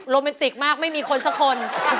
แมนติกมากไม่มีคนสักคน